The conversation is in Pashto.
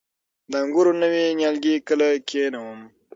د انګورو نوي نیالګي کله کینوم؟